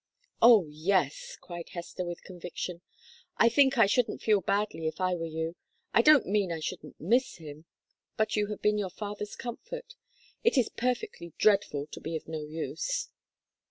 "Oh, yes," cried Hester, with conviction. "I think I shouldn't feel badly if I were you I don't mean I shouldn't miss him, but you have been your father's comfort. It is perfectly dreadful to be of no use."